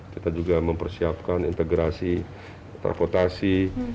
kita juga mempersiapkan integrasi transportasi